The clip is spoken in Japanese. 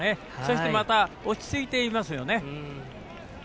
そして、また落ち着いていますよね。